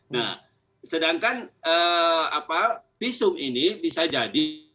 nah sedangkan visum ini bisa jadi